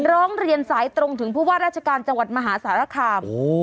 ร้องเรียนสายตรงถึงผู้ว่าราชการจังหวัดมหาสารคาม